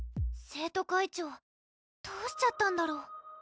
生徒会長どうしちゃったんだろ